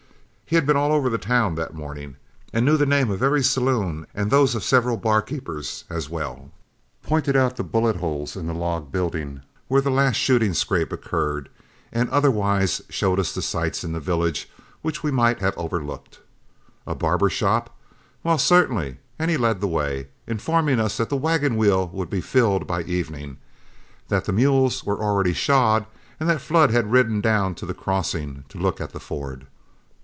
He had been all over the town that morning; knew the name of every saloon and those of several barkeepers as well; pointed out the bullet holes in a log building where the last shooting scrape occurred, and otherwise showed us the sights in the village which we might have overlooked. A barber shop? Why, certainly; and he led the way, informing us that the wagon wheel would be filled by evening, that the mules were already shod, and that Flood had ridden down to the crossing to look at the ford.